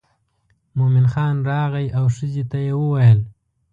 مومن خان راغی او ښځې ته یې وویل.